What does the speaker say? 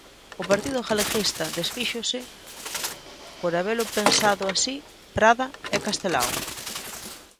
O Partido Galeguista desfíxose por habelo pensado así Prada e Castelao.